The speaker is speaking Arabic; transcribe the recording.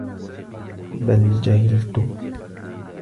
بَلْ جَهِلْتُ